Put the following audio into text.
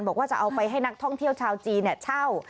บอกว่าจะเอาไปให้นักท่องเที่ยวชาวจีนเช่า